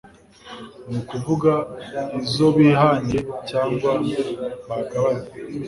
ni ukuvuga izo bihahiye cyangwa bagabanye